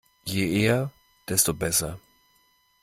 Je eher, desto besser.